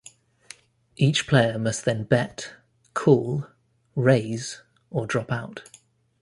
Each player must then bet, call, raise or drop out.